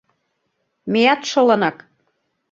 Меат шылынак.